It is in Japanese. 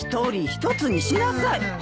１人１つにしなさい。